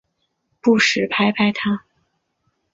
不时拍拍她